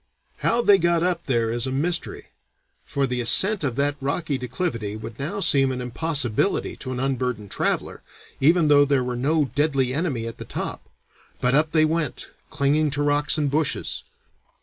How they got up there is a mystery, for the ascent of that rocky declivity would now seem an impossibility to an unburdened traveller, even though there were no deadly enemy at the top. But up they went, clinging to rocks and bushes.